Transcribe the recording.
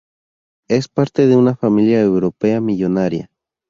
Es parte de una familia europea millonaria.